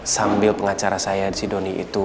sambil pengacara saya si doni itu